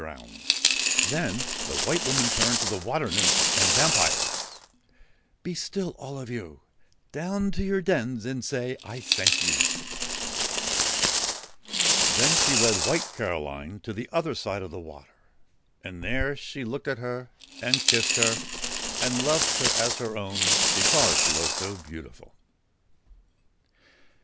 WHITE CAROLINE AND BLACK CAROLINE Then the White Woman turned to the water nymphs and vampires :' Be still, all of you I Down to your dens, and say I sent ye !' Then she led White Caroline to the other side of the water. And there she looked at her, and kissed her, and loved her as her own, because she was so beautiful.